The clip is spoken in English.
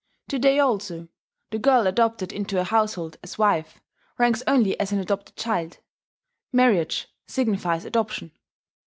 To day also, the girl adopted into a household as wife ranks only as an adopted child: marriage signifies adoption.